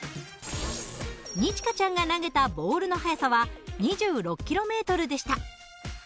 二千翔ちゃんが投げたボールの速さは２６ｋｍでした。